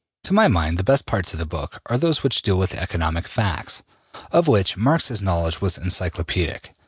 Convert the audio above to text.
To my mind the best parts of the book are those which deal with economic facts, of which Marx's knowledge was encyclopaedic.